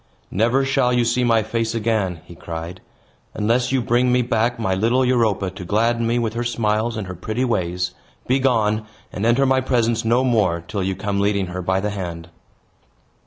"Never shall you see my face again," he cried, "unless you bring me back my little Europa, to gladden me with her smiles and her pretty ways. Begone, and enter my presence no more, till you come leading her by the hand."